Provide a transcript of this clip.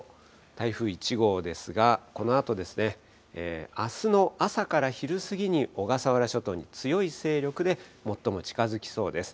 台風１号ですが、このあと、あすの朝から昼過ぎに小笠原諸島に強い勢力で、最も近づきそうです。